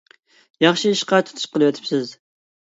ياخشى ئىشقا تۇتۇش قىلىۋېتىپسىز.